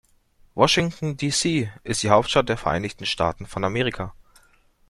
Washington, D.C. ist die Hauptstadt der Vereinigten Staaten von Amerika.